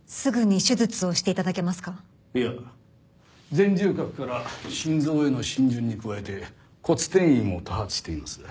前縦隔から心臓への浸潤に加えて骨転移も多発しています。